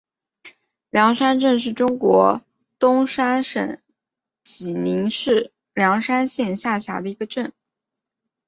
梁山镇是中国山东省济宁市梁山县下辖的一个镇。